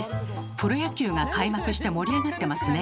プロ野球が開幕して盛り上がってますね。